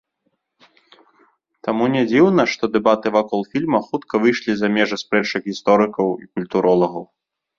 Таму нядзіўна, што дэбаты вакол фільма хутка выйшлі за межы спрэчак гісторыкаў і культуролагаў.